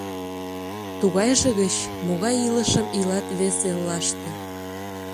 Тугайже гыч, могай илышым илат вес эллаште.